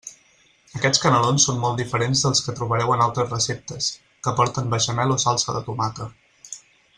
Aquests canelons són molt diferents dels que trobareu en altres receptes, que porten beixamel o salsa de tomata.